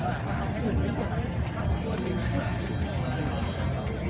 แม่กับผู้วิทยาลัย